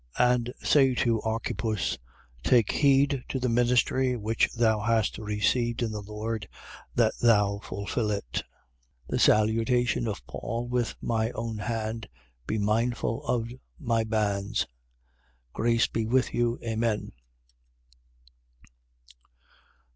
And say to Archippus: Take heed to the ministry which thou hast received in the Lord, that thou fulfil it. 4:18. The salutation of Paul with my own hand. Be mindful of my bands. Grace be with you. Amen.